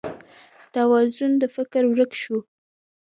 توازون د فکر ورک شو